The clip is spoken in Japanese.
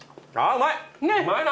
うまいな！